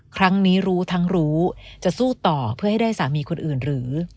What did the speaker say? ครั้งนี้รู้ทั้งรู้จะสู้ต่อเพื่อให้ได้สามีคนอื่นหรือ